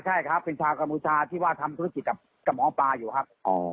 ใช่ครับเป็นชาวกัมพูชาที่ว่าทำธุรกิจกับหมอปลาอยู่ครับ